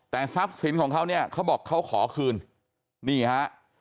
แต่ทรัพย์สินของเขาเนี่ยเขาบอกเขาขอคืนนี่ฮะ